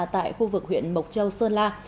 tại khu vực huyện mộc châu sơn la